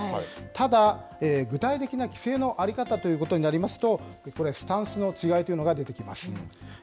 ただ、具体的な規制の在り方ということになりますと、これ、スタンスの違いというのが出てきます。